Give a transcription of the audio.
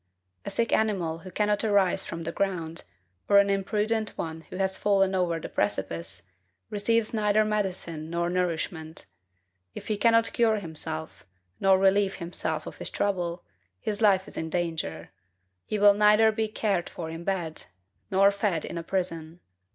A sick animal who cannot arise from the ground, or an imprudent one who has fallen over a precipice, receives neither medicine nor nourishment. If he cannot cure himself, nor relieve himself of his trouble, his life is in danger: he will neither be cared for in bed, nor fed in a prison.